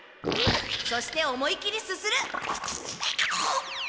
そして思い切りすする。